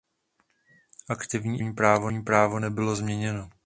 Aktivní a pasivní právo nebylo změněno.